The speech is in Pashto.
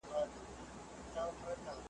له یوه بامه تر بله یې ځغستله ,